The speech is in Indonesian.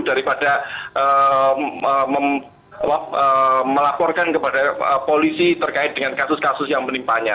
daripada melaporkan kepada polisi terkait dengan kasus kasus yang menimpanya